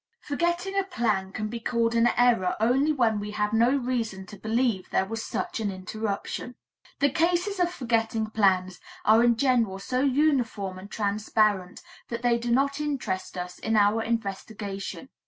Forgetting a plan can be called an error only when we have no reason to believe there was such an interruption. The cases of forgetting plans are in general so uniform and transparent that they do not interest us in our investigation.